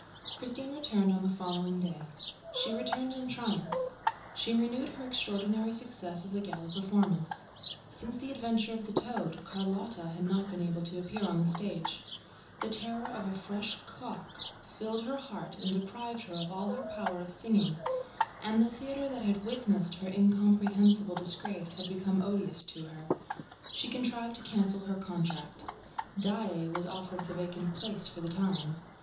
Christine returned on the following day. She returned in triumph. She renewed her extraordinary success of the gala performance. Since the adventure of the "toad," Carlotta had not been able to appear on the stage. The terror of a fresh "co ack" filled her heart and deprived her of all her power of singing; and the theater that had witnessed her incomprehensible disgrace had become odious to her. She contrived to cancel her contract. Daae was offered the vacant place for the time.